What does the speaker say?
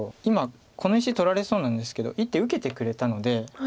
今この石取られそうなんですけど１手受けてくれたので。